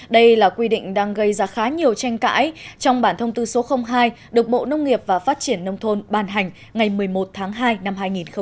đây là quy định đang gây ra khá nhiều tranh cãi trong bản thông tư số hai được bộ nông nghiệp và phát triển nông thôn ban hành ngày một mươi một tháng hai năm hai nghìn một mươi chín